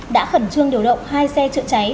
đã khẩn trương điều động hai xe trợ cháy